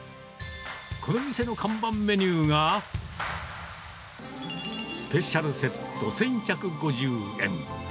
この店の看板メニューが、スペシャルセット１１５０円。